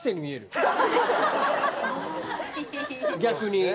逆に。